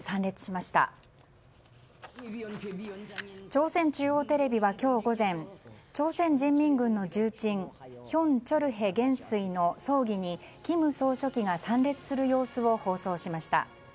朝鮮中央テレビは今日午前朝鮮人民軍の重鎮ヒョン・チョルヘ元帥の葬儀に金総書記が参列する様子を放送しました。